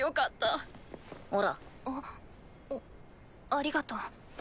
ありがとう。